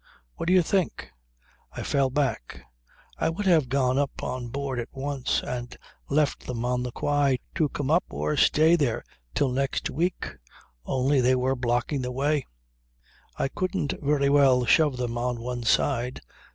What do you think? I fell back. I would have gone up on board at once and left them on the quay to come up or stay there till next week, only they were blocking the way. I couldn't very well shove them on one side.